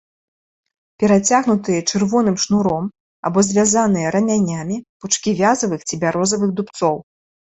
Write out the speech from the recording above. Перацягнутыя чырвоным шнуром або звязаныя рамянямі пучкі вязавых ці бярозавых дубцоў.